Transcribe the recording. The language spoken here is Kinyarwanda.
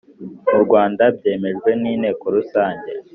mu Rwanda byemejwe n inteko rusange